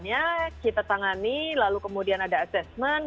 ya kita tangani lalu kemudian ada assessment